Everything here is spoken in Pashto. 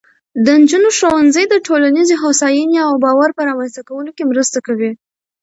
د نجونو ښوونځی د ټولنیزې هوساینې او باور په رامینځته کولو کې مرسته کوي.